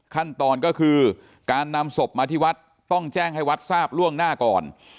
ขั้นตอนก็คือการนำศพมาที่วัดต้องแจ้งให้วัดทราบล่วงหน้าก่อน